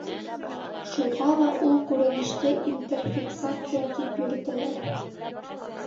Шуға ла ул күренеште интерфиксация тип йөрөтәләр.